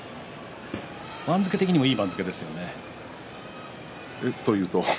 番付的にも、いい番付ですね。というと？